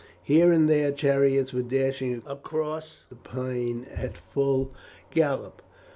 Here and there chariots were dashing across the plain at full gallop.